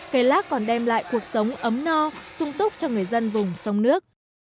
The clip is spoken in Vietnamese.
cây lác còn đem lại cuộc sống ấm no sung túc cho người dân vùng sông nước